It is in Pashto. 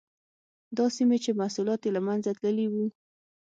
دا سیمې چې محصولات یې له منځه تللي وو.